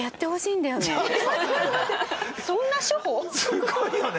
すごいよね。